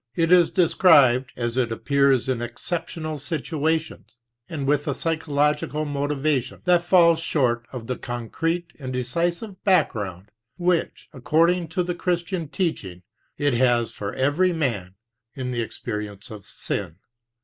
It is described as it appears in exceptional situations, and with a psychological motivation that falls short of the concrete and decisive back ground which, according to the Christian teach ing, it has for every man in the experience of sin.